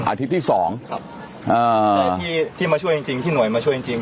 ที่สองครับอ่าแต่ที่ที่มาช่วยจริงจริงที่หน่วยมาช่วยจริงจริง